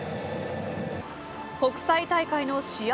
国際大会の試合